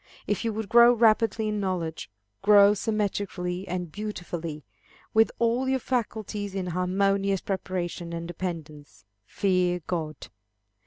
If you would grow rapidly in knowledge, grow symmetrically and beautifully, with all your faculties in harmonious preparation and dependence, fear God.